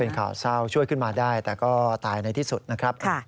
เป็นข่าวเศร้าช่วยขึ้นมาได้แต่ก็ตายในที่สุดนะครับ